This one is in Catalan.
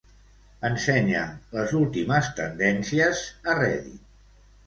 Ensenya'm les últimes tendències a Reddit.